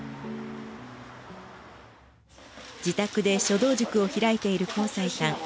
自宅で書道塾を開いている幸才さん。